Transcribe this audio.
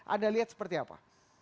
anda lihat seperti apa